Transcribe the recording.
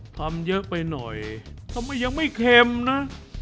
ทำเยอะไปหน่อยทำไมยังไม่เค็มนะ